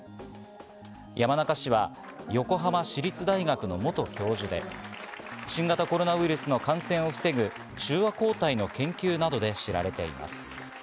山中氏は横浜市立大学の元教授で、新型コロナウイルスの感染を防ぐ中和抗体の研究などで知られています。